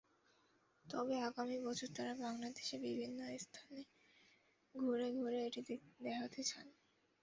তবে আগামী বছর তাঁরা বাংলাদেশের বিভিন্ন স্থানে ঘুরে ঘুরে এটি দেখাতে চান।